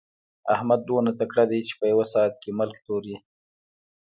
احمد دومره تکړه دی چې په يوه ساعت کې ملک توري.